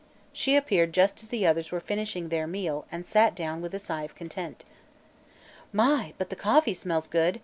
She appeared just as the others were finishing their meal and sat down with a sigh of content. "My, but the coffee smells good!"